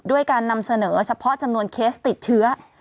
การนำเสนอเฉพาะจำนวนเคสติดเชื้อ